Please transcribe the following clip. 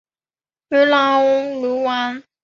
弗朗努瓦。